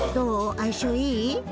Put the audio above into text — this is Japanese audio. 相性いい？